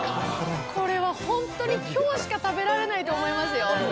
これはホントに今日しか食べられないと思いますよ